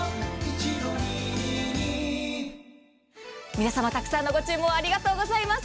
皆様たくさんのご注文ありがとうございます。